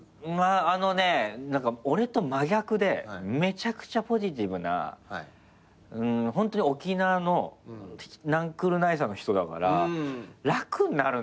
あのね俺と真逆でめちゃくちゃポジティブなホントに沖縄のなんくるないさの人だから楽になるんだよね